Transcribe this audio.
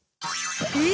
え